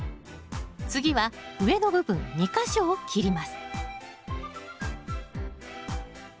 次は上の部分２か所を切ります